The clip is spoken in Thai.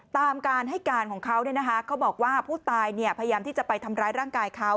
ตามการให้การของเขาเขาบอกว่าผู้ตายพยายามที่จะไปทำร้ายร่างกายเขา